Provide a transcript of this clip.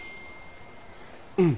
うん。